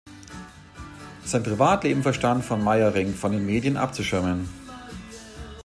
Sein Privatleben verstand von Meyerinck vor den Medien abzuschirmen.